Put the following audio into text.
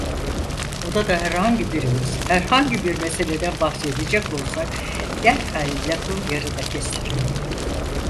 Odada herhangi birimiz herhangi bir meseleden bahsedecek olsak derhal lafı yarıda kestiriyordu.